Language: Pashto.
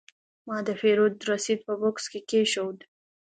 ما د پیرود رسید په بکس کې کېښود.